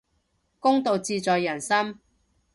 公道自在人心